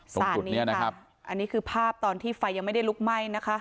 ตรงนี้นะครับอันนี้คือภาพตอนที่ไฟยังไม่ได้ลุกไหม้นะคะ